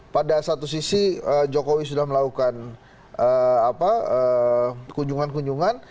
pada satu sisi jokowi sudah melakukan kunjungan kunjungan